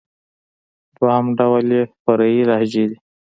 دوهم ډول ئې فرعي لهجې دئ.